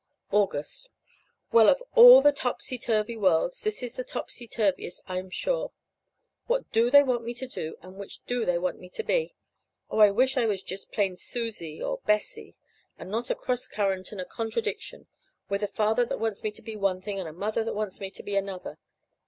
August. Well, of all the topsy turvy worlds, this is the topsy turviest, I am sure. What do they want me to do, and which do they want me to be? Oh, I wish I was just a plain Susie or Bessie, and not a cross current and a contradiction, with a father that wants me to be one thing and a mother that wants me to be another!